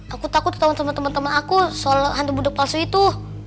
aku takut ketawa sama temen temen aku soal hantu budak palsu itu